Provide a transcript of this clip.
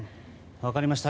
分かりました。